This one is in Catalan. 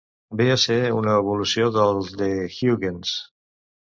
Ve a ser una evolució del de Huygens.